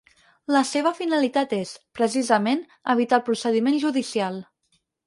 La seva finalitat és, precisament, evitar el procediment judicial.